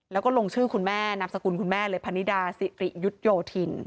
แล้วก็ลงชื่อคุณแม่นามสกุลคุณแม่เลยพนิดาสิริยุทธโยธิน